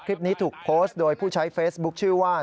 คลิปนี้ถูกโพสต์โดยผู้ใช้เฟซบุ๊คชื่อว่า